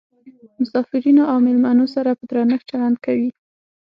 مسافرینو او میلمنو سره په درنښت چلند کوي.